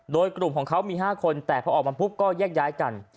โดยกลุ่มของเขามี๕คนแต่พอออกมาปุ๊บก็แยกย้ายกัน